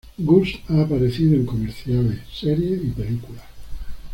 Gus ha aparecido en comerciales, series y películas.